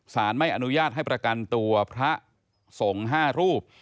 ไม่อนุญาตให้ประกันตัวพระสงฆ์๕รูป